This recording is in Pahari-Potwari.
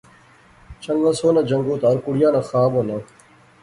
چنگا سوہنا جنگت ہر کڑیا ناں خواب ہونا